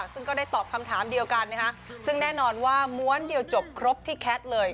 ซึ่งก็ได้ตอบคำถามเดียวกันนะคะซึ่งแน่นอนว่าม้วนเดียวจบครบที่แคทเลย